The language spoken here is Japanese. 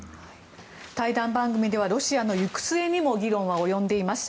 対談番組ではロシアの行く末にも議論が及んでいます。